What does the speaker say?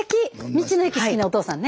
道の駅好きなお父さんね。